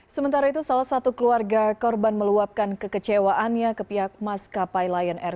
sementara itu salah satu keluarga korban meluapkan kekecewaannya ke pihak maskapai lion air